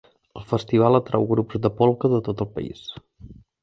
El festival atrau grups de polca de tot el país.